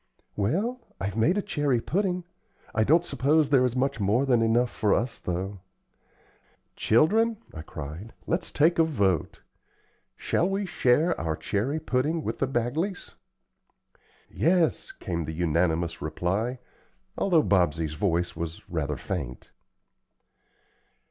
"Well, I've made a cherry pudding; I don't suppose there is much more than enough for us, though." "Children," I cried, "let's take a vote. Shall we share our cherry pudding with the Bagleys?" "Yes," came the unanimous reply, although Bobsey's voice was rather faint.